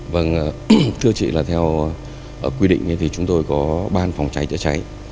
vâng thưa chị là theo quy định thì chúng tôi có ban phòng cháy chữa cháy